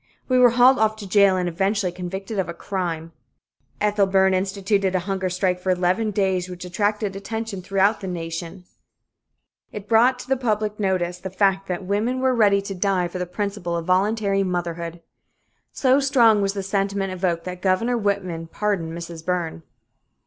We were hauled off to jail and eventually convicted of a "crime." Ethel Byrne instituted a hunger strike for eleven days, which attracted attention throughout the nation. It brought to public notice the fact that women were ready to die for the principle of voluntary motherhood. So strong was the sentiment evoked that Governor Whitman pardoned Mrs. Byrne.